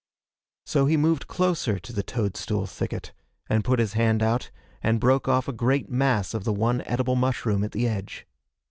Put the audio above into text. So he moved closer to the toadstool thicket and put his hand out and broke off a great mass of the one edible mushroom at the edge.